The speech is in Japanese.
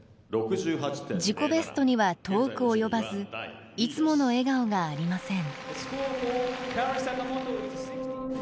自己ベストには遠く及ばずいつもの笑顔がありません。